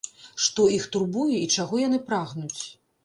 Што іх турбуе і чаго яны прагнуць?